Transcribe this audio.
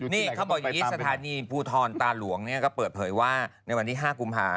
น้ำชมกาแฟพี่จัดให้หนัก